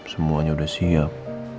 semuanya udah siap